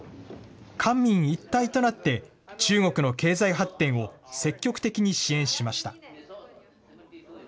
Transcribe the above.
官民一体となって、中国の経済発展を積極的に支援しました。